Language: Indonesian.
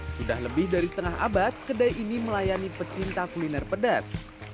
sudah lebih dari setengah abad kedai ini melayani pecinta kuliner pedas